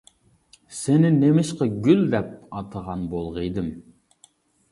سېنى نېمىشقا گۈل دەپ ئاتىغان بولغىيدىم.